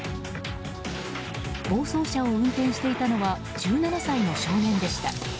暴走車を運転していたのは１７歳の少年でした。